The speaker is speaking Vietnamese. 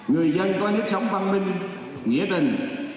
người dân có hiếp sống văn minh nghĩa tình